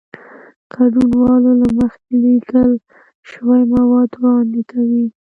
ګډونوال له مخکې لیکل شوي مواد وړاندې کوي.